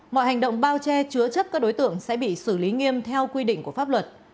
mọi hành động bao che chứa chấp các đối tượng sẽ bị xử lý nghiêm theo quy định của pháp luật